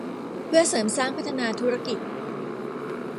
เพื่อเสริมสร้างพัฒนาธุรกิจ